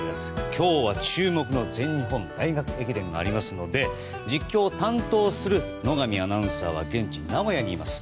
今日は注目の全日本大学駅伝がありますので実況を担当する野上アナウンサーは現地・名古屋にいます。